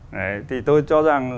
đấy thì tôi cho rằng